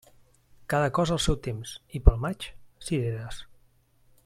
Cada cosa al seu temps, i pel maig, cireres.